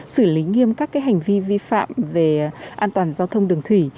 xử lý nghiêm các hành vi vi phạm về an toàn giao thông đường thủy